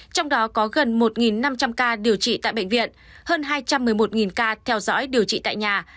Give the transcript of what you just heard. trong đó có gần một năm trăm linh ca điều trị tại bệnh viện hơn hai trăm một mươi một ca theo dõi điều trị tại nhà